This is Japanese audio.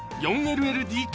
ＬＬＤＫ